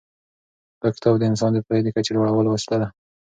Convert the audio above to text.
دا کتاب د انسان د پوهې د کچې د لوړولو وسیله ده.